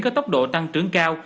có tốc độ tăng trưởng cao